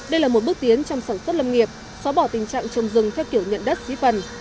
đây là một bước tiến trong sản xuất lâm nghiệp xóa bỏ tình trạng trồng rừng theo kiểu nhận đất xí phần